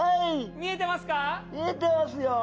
見えてますよ。